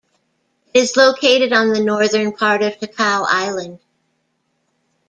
It is located on the northern part of Ticao Island.